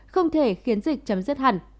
không thể khiến dịch chấm dứt hẳn